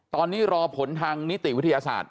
ตอนนี้รอผลทางนิติวิทยาศาสตร์